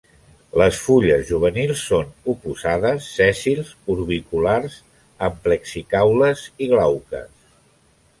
Les fulles juvenils són oposades, sèssils, orbiculars, amplexicaules i glauques.